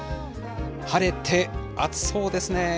晴れて暑そうですね。